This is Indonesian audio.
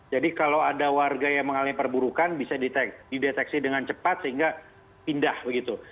jadi kalau ada warga yang mengalami perburukan bisa dideteksi dengan cepat sehingga pindah begitu